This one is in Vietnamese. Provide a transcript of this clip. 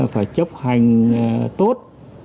phải chấp hành tốt